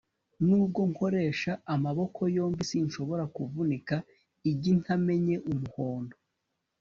nubwo nkoresha amaboko yombi, sinshobora kuvunika igi ntamennye umuhondo